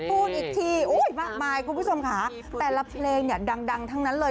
พูดอีกทีมากมายคุณผู้ชมค่ะแต่ละเพลงเนี่ยดังทั้งนั้นเลย